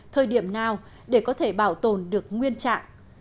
thời điểm nào để có thể bảo tồn được nguyên trạng